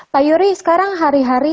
pak yuri sekarang hari hari